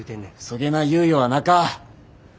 そげな猶予はなか。